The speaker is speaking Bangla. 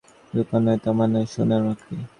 রুপা নয়, তামা নয়, সোনার মাকড়ি।